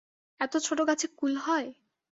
এত ছোট গাছে কুল হয়?